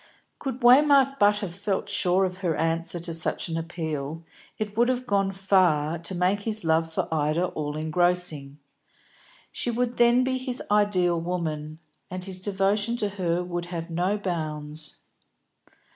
Could Waymark but have felt sure of her answer to such an appeal, it would have gone far to make his love for Ida all engrossing. She would then be his ideal woman, and his devotion to her would have no bounds.